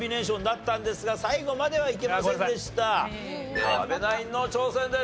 では阿部ナインの挑戦です。